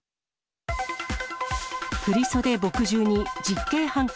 振り袖墨汁に実刑判決。